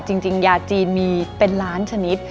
จริงยาจีนมีเป็นล้านชนิด